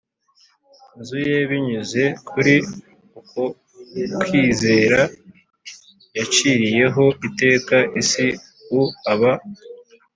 nzu ye Binyuze kuri uko kwizera yaciriyeho iteka isi u aba